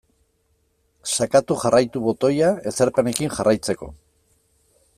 Sakatu jarraitu botoia ezarpenekin jarraitzeko.